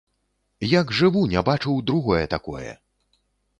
Як жыву, не бачыў другое такое!